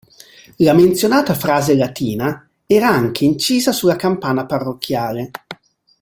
La menzionata frase latina era anche incisa sulla campana parrocchiale.